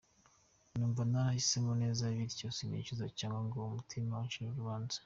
Numva narahisemo neza bityo sinicuza cyangwa ngo umutima uncire urubanza.